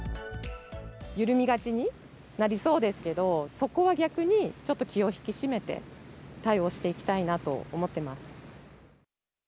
緩みがちになりそうですけど、そこは逆に、ちょっと気を引き締めて対応していきたいなと思ってます。